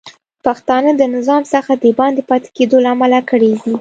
پښتانه د نظام څخه د باندې پاتې کیدو له امله کړیږي